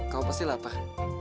kau pasti lapar